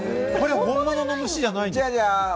本物の虫じゃないんですか？